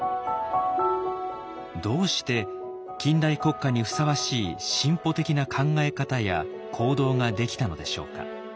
どうして近代国家にふさわしい進歩的な考え方や行動ができたのでしょうか。